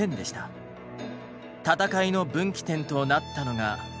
戦いの分岐点となったのが。